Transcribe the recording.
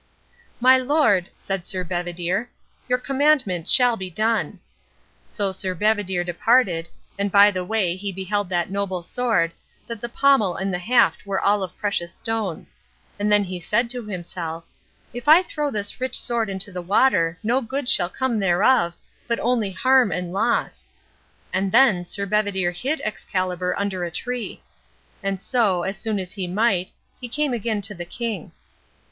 "My lord," said Sir Bedivere, "your commandment shall be done." So Sir Bedivere departed, and by the way he beheld that noble sword, that the pommel and the haft were all of precious stones; and then he said to himself, "If I throw this rich sword into the water no good shall come thereof, but only harm and loss." And then Sir Bedivere hid Excalibar under a tree. And so, as soon as he might, he came again to the king.